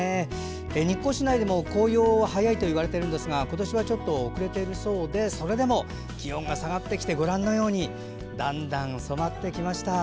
日光市内でも紅葉が早いといわれているんですが今年はちょっと遅れているそうでそれでも気温が下がってきてご覧のようにだんだん染まってきました。